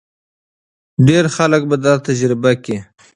ډېر خلک به دا تجربه کړي.